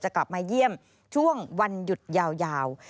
กลับมาเยี่ยมช่วงวันหยุดยาว